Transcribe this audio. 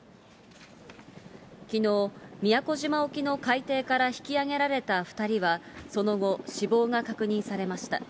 きのう、宮古島沖の海底から引きあげられた２人は、その後、死亡が確認されました。